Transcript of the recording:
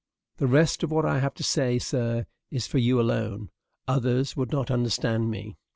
'" The rest of what I have to say, sir, is for you alone; others would not understand me.